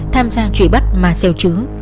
tham gia truy bắt mà xeo trứng